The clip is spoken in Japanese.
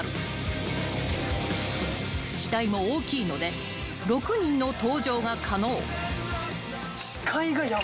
［機体も大きいので６人の搭乗が可能］